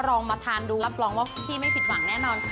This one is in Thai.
ลองมาทานดูรับรองว่าพี่ไม่ผิดหวังแน่นอนค่ะ